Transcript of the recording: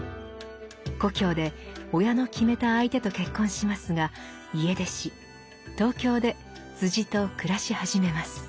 故郷で親の決めた相手と結婚しますが家出し東京でと暮らし始めます。